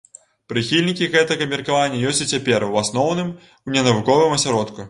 Прыхільнікі гэтага меркавання ёсць і цяпер, у асноўным у ненавуковым асяродку.